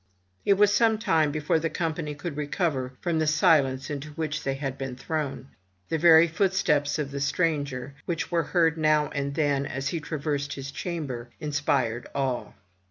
It was some time before the company could recover from the silence into which they had been thrown. The very footsteps of the stranger, which were heard now and then as he traversed his chamber, inspired awe.